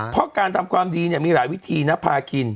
เพราะการทำความดีเนี่ยมีหลายวิธีนะพาคิน